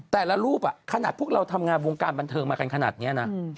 แต่ละรูปขนาดพวกเราทำงานวงการบันเทิงมากันขนาดนี้นะ